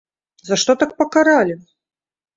За што так пакаралі?!